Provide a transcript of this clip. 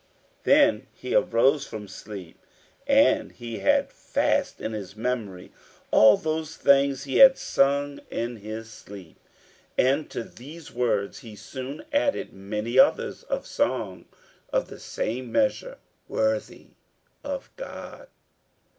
Then he arose from sleep and he had fast in his memory all those things he had sung in his sleep; and to these words he soon added many other words of song of the same measure, worthy for God.